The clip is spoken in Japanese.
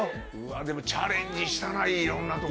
チャレンジしたないろんなとこ。